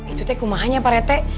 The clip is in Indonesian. itu teh kumahannya pak rete